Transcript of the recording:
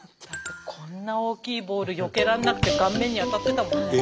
こんなに大きいボールよけられなくて顔面に当たってたもんね。